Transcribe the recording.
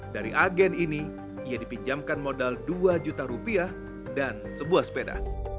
dari agen ini ia dipinjamkan modal dua juta rupiah dan sebuah sepeda